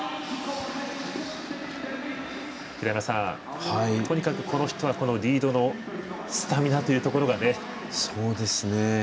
平山さん、とにかくこの人はリードのスタミナというところが。